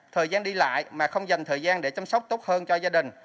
thời gian đi lại mà không dành thời gian để chăm sóc tốt hơn cho gia đình